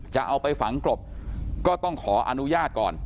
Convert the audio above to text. จะเอาไปฝังกลบก็ต้องขออนุญาตก่อน